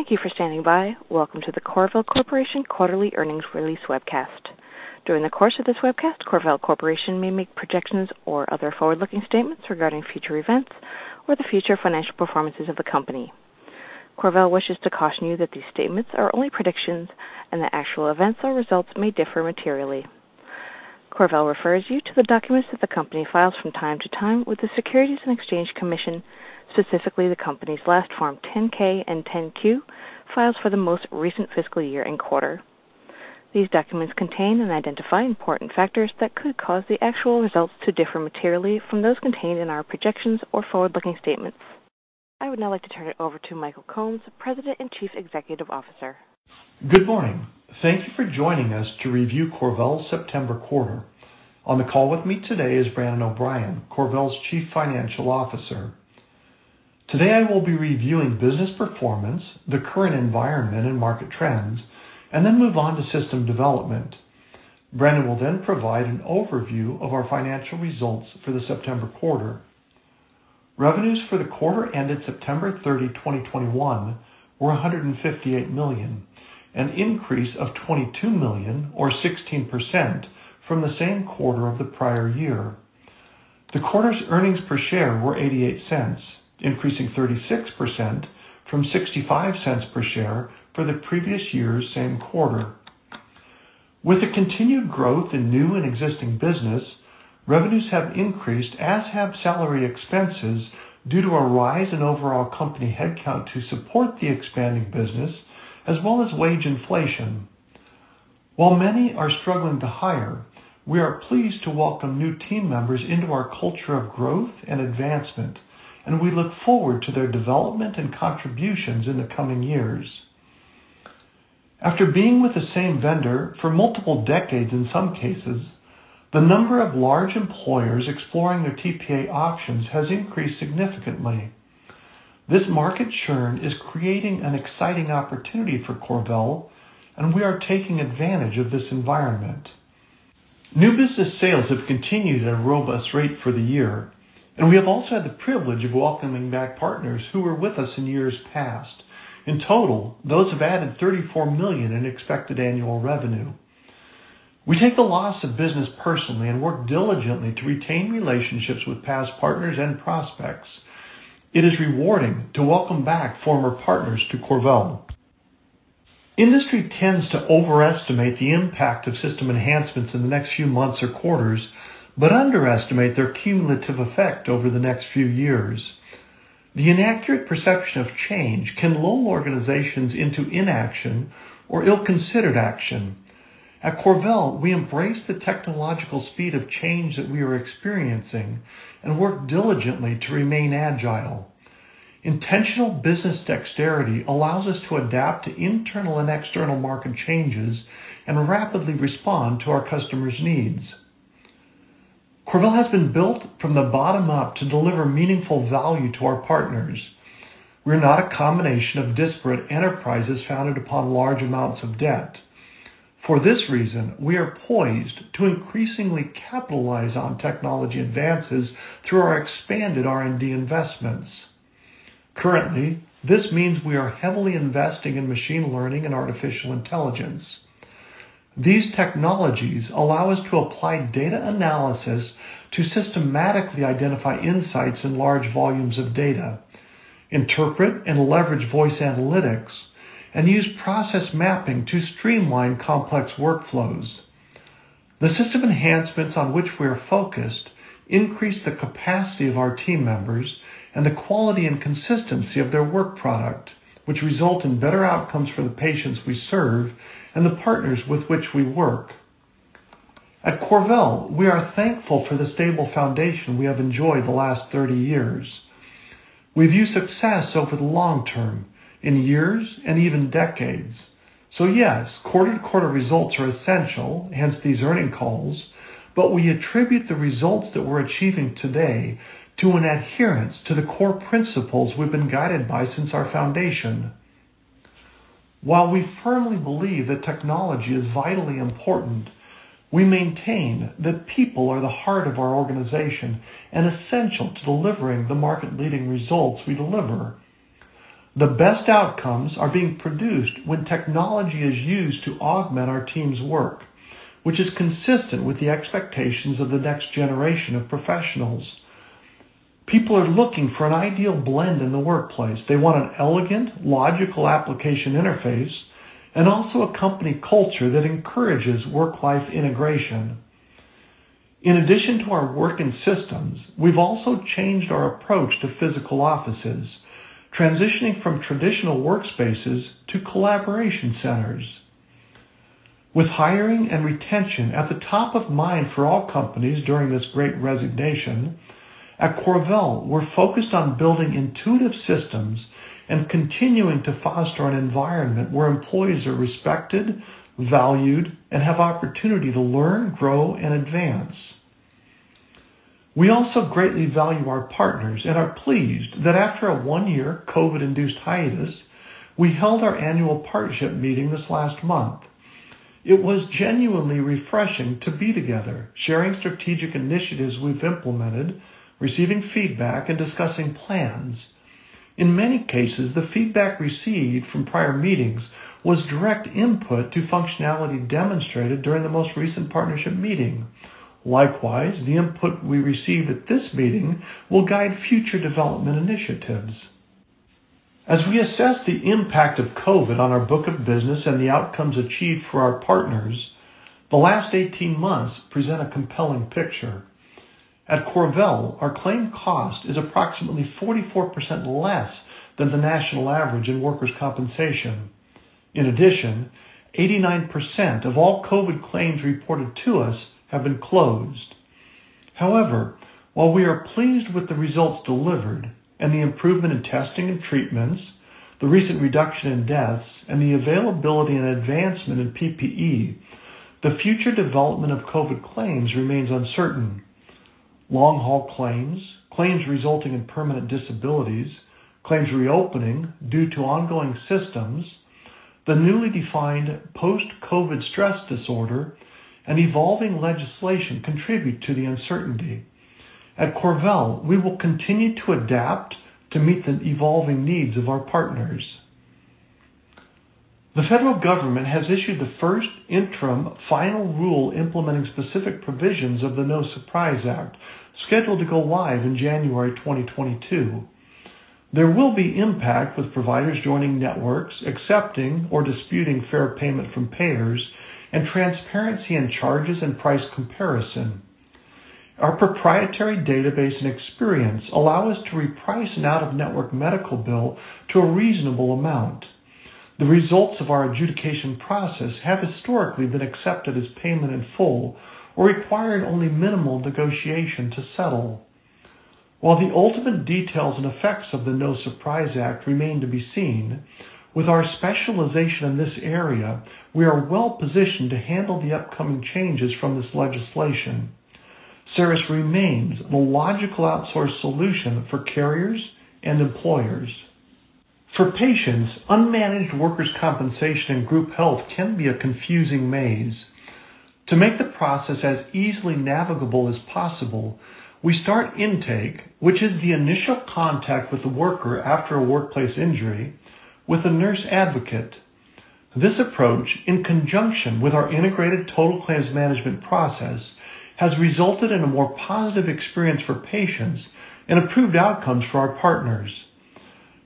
Thank you for standing by. Welcome to the CorVel Corporation quarterly earnings release webcast. During the course of this webcast, CorVel Corporation may make projections or other forward-looking statements regarding future events or the future financial performances of the company. CorVel wishes to caution you that these statements are only predictions and that actual events or results may differ materially. CorVel refers you to the documents that the company files from time to time with the Securities and Exchange Commission, specifically the company's last Form 10-K, and 10-Q, filings for the most recent fiscal year and quarter. These documents contain and identify important factors that could cause the actual results to differ materially from those contained in our projections or forward-looking statements. I would now like to turn it over to Michael Combs, President and Chief Executive Officer. Good morning. Thank you for joining us to review CorVel's September quarter. On the call with me today is Brian Nichols, CorVel's Chief Financial Officer. Today I will be reviewing business performance, the current environment and market trends, and then move on to system development. Brian Nichols will then provide an overview of our financial results for the September quarter. Revenues for the quarter ended September 30, 2021 were $158 million, an increase of $22 million or 16% from the same quarter of the prior year. The quarter's earnings per share were $0.88, increasing 36% from $0.65 per share for the previous year's same quarter. With the continued growth in new and existing business, revenues have increased as have salary expenses due to a rise in overall company headcount to support the expanding business as well as wage inflation. While many are struggling to hire, we are pleased to welcome new team members into our culture of growth and advancement, and we look forward to their development and contributions in the coming years. After being with the same vendor for multiple decades in some cases, the number of large employers exploring their TPA options has increased significantly. This market churn is creating an exciting opportunity for CorVel, and we are taking advantage of this environment. New business sales have continued at a robust rate for the year, and we have also had the privilege of welcoming back partners who were with us in years past. In total, those have added $34 million in expected annual revenue. We take the loss of business personally and work diligently to retain relationships with past partners and prospects. It is rewarding to welcome back former partners to CorVel. Industry tends to overestimate the impact of system enhancements in the next few months or quarters, but underestimate their cumulative effect over the next few years. The inaccurate perception of change can lull organizations into inaction or ill-considered action. At CorVel, we embrace the technological speed of change that we are experiencing and work diligently to remain agile. Intentional business dexterity allows us to adapt to internal and external market changes and rapidly respond to our customers' needs. CorVel has been built from the bottom up to deliver meaningful value to our partners. We're not a combination of disparate enterprises founded upon large amounts of debt. For this reason, we are poised to increasingly capitalize on technology advances through our expanded R&D investments. Currently, this means we are heavily investing in machine learning and artificial intelligence. These technologies allow us to apply data analysis to systematically identify insights in large volumes of data, interpret and leverage voice analytics, and use process mapping to streamline complex workflows. The system enhancements on which we are focused increase the capacity of our team members and the quality and consistency of their work product, which result in better outcomes for the patients we serve and the partners with which we work. At CorVel, we are thankful for the stable foundation we have enjoyed the last 30 years. We view success over the long term in years and even decades. Yes, quarter to quarter results are essential, hence these earnings calls, but we attribute the results that we're achieving today to an adherence to the core principles we've been guided by since our foundation. While we firmly believe that technology is vitally important, we maintain that people are the heart of our organization and essential to delivering the market-leading results we deliver. The best outcomes are being produced when technology is used to augment our team's work, which is consistent with the expectations of the next generation of professionals. People are looking for an ideal blend in the workplace. They want an elegant, logical application interface and also a company culture that encourages work-life integration. In addition to our work in systems, we've also changed our approach to physical offices, transitioning from traditional workspaces to collaboration centers. With hiring and retention at the top of mind for all companies during this Great Resignation, at CorVel, we're focused on building intuitive systems and continuing to foster an environment where employees are respected, valued, and have opportunity to learn, grow, and advance. We also greatly value our partners and are pleased that after a one-year COVID-induced hiatus, we held our annual partnership meeting this last month. It was genuinely refreshing to be together, sharing strategic initiatives we've implemented, receiving feedback, and discussing plans. In many cases, the feedback received from prior meetings was direct input to functionality demonstrated during the most recent partnership meeting. Likewise, the input we received at this meeting will guide future development initiatives. As we assess the impact of COVID on our book of business and the outcomes achieved for our partners, the last 18 months present a compelling picture. At CorVel, our claim cost is approximately 44% less than the national average in workers' compensation. In addition, 89% of all COVID claims reported to us have been closed. However, while we are pleased with the results delivered and the improvement in testing and treatments, the recent reduction in deaths, and the availability and advancement in PPE, the future development of COVID claims remains uncertain. Long-haul claims resulting in permanent disabilities, claims reopening due to ongoing systems, the newly defined post-COVID stress disorder, and evolving legislation contribute to the uncertainty. At CorVel, we will continue to adapt to meet the evolving needs of our partners. The federal government has issued the first interim final rule implementing specific provisions of the No Surprises Act, scheduled to go live in January 2022. There will be impact with providers joining networks, accepting or disputing fair payment from payers, and transparency in charges and price comparison. Our proprietary database and experience allow us to reprice an out-of-network medical bill to a reasonable amount. The results of our adjudication process have historically been accepted as payment in full or required only minimal negotiation to settle. While the ultimate details and effects of the No Surprises Act remain to be seen, with our specialization in this area, we are well-positioned to handle the upcoming changes from this legislation. CERiS remains the logical outsource solution for carriers and employers. For patients, unmanaged workers' compensation and group health can be a confusing maze. To make the process as easily navigable as possible, we start intake, which is the initial contact with the worker after a workplace injury, with a nurse advocate. This approach, in conjunction with our integrated total claims management process, has resulted in a more positive experience for patients and improved outcomes for our partners.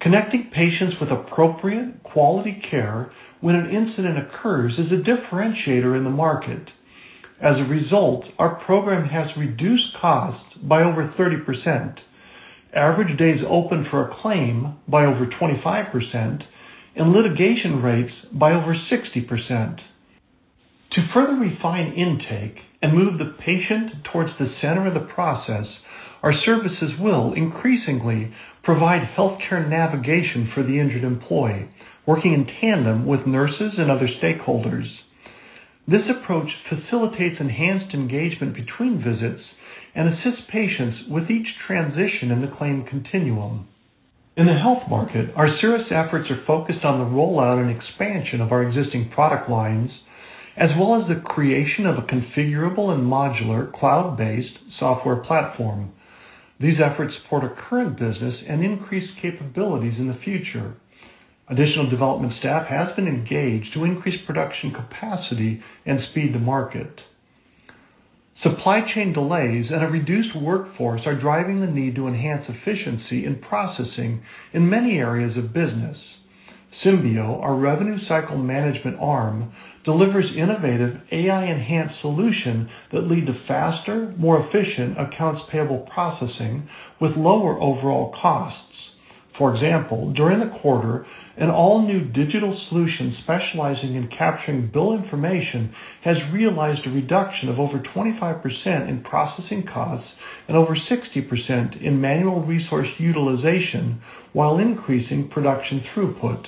Connecting patients with appropriate quality care when an incident occurs is a differentiator in the market. As a result, our program has reduced costs by over 30%, average days open for a claim by over 25%, and litigation rates by over 60%. To further refine intake and move the patient towards the center of the process, our services will increasingly provide healthcare navigation for the injured employee, working in tandem with nurses and other stakeholders. This approach facilitates enhanced engagement between visits and assists patients with each transition in the claim continuum. In the health market, our service efforts are focused on the rollout and expansion of our existing product lines, as well as the creation of a configurable and modular cloud-based software platform. These efforts support our current business and increase capabilities in the future. Additional development staff has been engaged to increase production capacity and speed to market. Supply chain delays and a reduced workforce are driving the need to enhance efficiency in processing in many areas of business. Symbeo, our revenue cycle management arm, delivers innovative AI-enhanced solution that lead to faster, more efficient accounts payable processing with lower overall costs. For example, during the quarter, an all-new digital solution specializing in capturing bill information has realized a reduction of over 25% in processing costs and over 60% in manual resource utilization while increasing production throughput.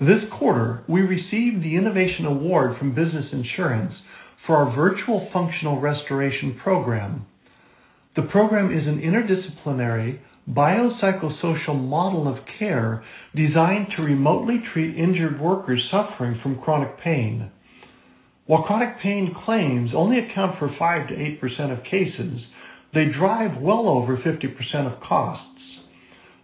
This quarter, we received the Innovation Award from Business Insurance for our Virtual Functional Restoration Program. The program is an interdisciplinary biopsychosocial model of care designed to remotely treat injured workers suffering from chronic pain. While chronic pain claims only account for 5%-8% of cases, they drive well over 50% of costs.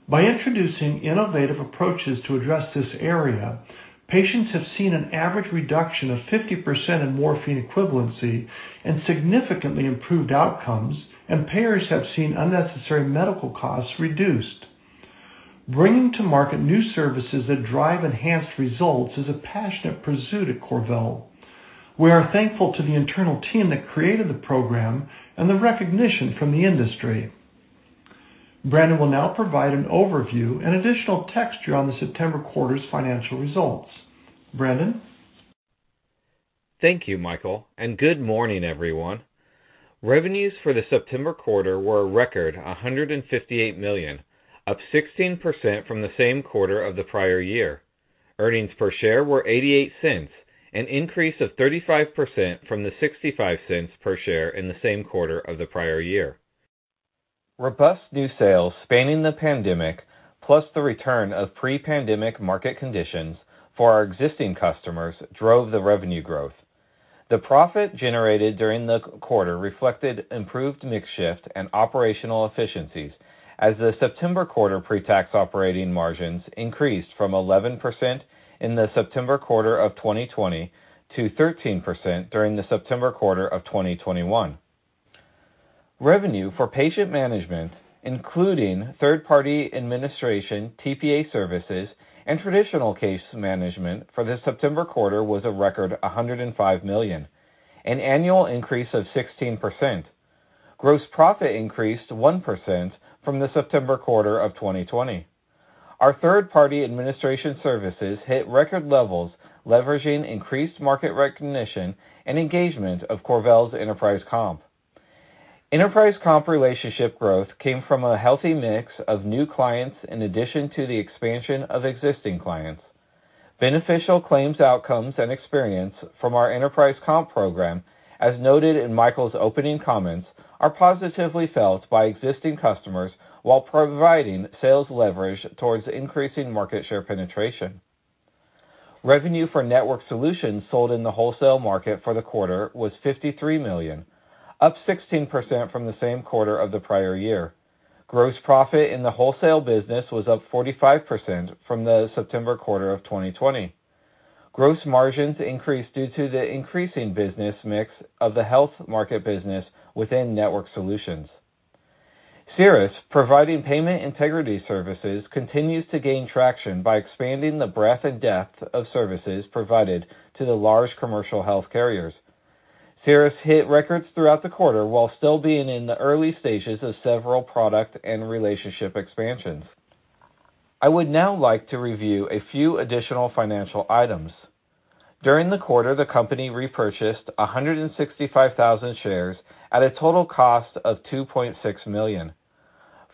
By introducing innovative approaches to address this area, patients have seen an average reduction of 50% in morphine equivalency and significantly improved outcomes, and payers have seen unnecessary medical costs reduced. Bringing to market new services that drive enhanced results is a passionate pursuit at CorVel. We are thankful to the internal team that created the program and the recognition from the industry. Brian Nichols will now provide an overview and additional texture on the September quarter's financial results. Brian Nichols? Thank you, Michael, and good morning, everyone. Revenues for the September quarter were a record $158 million, up 16% from the same quarter of the prior year. Earnings per share were $0.88, an increase of 35% from the $0.65 per share in the same quarter of the prior year. Robust new sales spanning the pandemic, plus the return of pre-pandemic market conditions for our existing customers drove the revenue growth. The profit generated during the quarter reflected improved mix shift and operational efficiencies as the September quarter pre-tax operating margins increased from 11% in the September quarter of 2020 to 13% during the September quarter of 2021. Revenue for patient management, including third-party administration, TPA services, and traditional case management for the September quarter was a record $105 million, an annual increase of 16%. Gross profit increased 1% from the September quarter of 2020. Our third-party administration services hit record levels, leveraging increased market recognition and engagement of CorVel's Enterprise Comp. Enterprise Comp relationship growth came from a healthy mix of new clients in addition to the expansion of existing clients. Beneficial claims outcomes and experience from our Enterprise Comp program, as noted in Michael's opening comments, are positively felt by existing customers while providing sales leverage towards increasing market share penetration. Revenue for network solutions sold in the wholesale market for the quarter was $53 million, up 16% from the same quarter of the prior year. Gross profit in the wholesale business was up 45% from the September quarter of 2020. Gross margins increased due to the increasing business mix of the health market business within network solutions. CERiS, providing payment integrity services, continues to gain traction by expanding the breadth and depth of services provided to the large commercial health carriers. CERiS hit records throughout the quarter while still being in the early stages of several product and relationship expansions. I would now like to review a few additional financial items. During the quarter, the company repurchased 165,000 shares at a total cost of $2.6 million.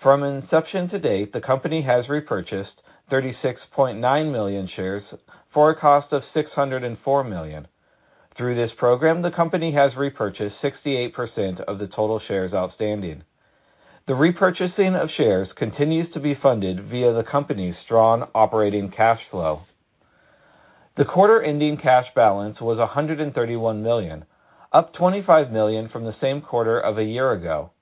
From inception to date, the company has repurchased 36.9 million shares for a cost of $604 million. Through this program, the company has repurchased 68% of the total shares outstanding. The repurchasing of shares continues to be funded via the company's strong operating cash flow. The quarter-ending cash balance was $131 million, up $25 million from the same quarter of a year ago.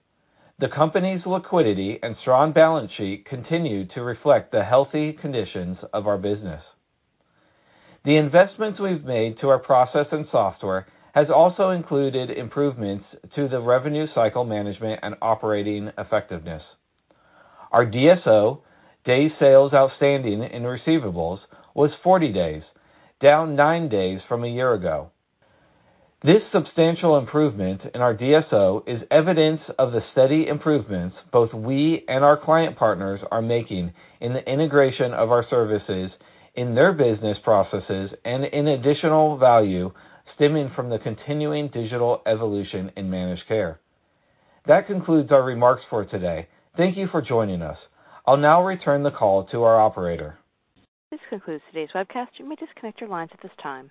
The company's liquidity and strong balance sheet continue to reflect the healthy conditions of our business. The investments we've made to our process and software has also included improvements to the revenue cycle management and operating effectiveness. Our DSO, days sales outstanding in receivables, was 40 days, down nine days from a year ago. This substantial improvement in our DSO is evidence of the steady improvements both we and our client partners are making in the integration of our services in their business processes and in additional value stemming from the continuing digital evolution in managed care. That concludes our remarks for today. Thank you for joining us. I'll now return the call to our operator. This concludes today's webcast. You may disconnect your lines at this time.